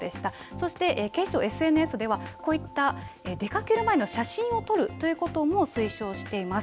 そして警視庁、ＳＮＳではこうした出かける前の写真を撮るということも推奨しています。